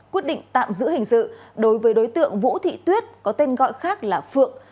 quyết định tạm giữ hình sự đối với đối tượng vũ thị tuyết có tên gọi khác là phượng